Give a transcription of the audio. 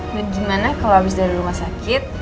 dan gimana kalau abis dari rumah sakit